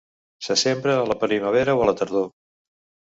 Se sembra a la primavera o a la tardor.